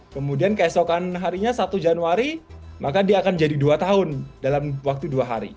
kemudian keesokan harinya satu januari maka dia akan jadi dua tahun dalam waktu dua hari